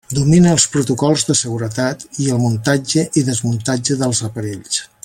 Domina els protocols de seguretat, i el muntatge i desmuntatge dels aparells.